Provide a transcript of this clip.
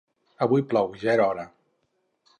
Avui plou, ja era hora!